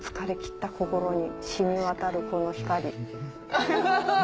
アハハハ。